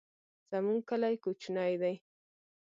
زمونږ کلی کوچنی دی